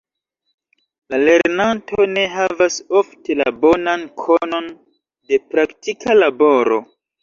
La lernanto ne havas ofte la bonan konon de praktika laboro.